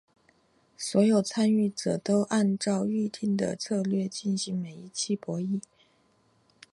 所有参与者都按照预定的策略进行每一期博弈。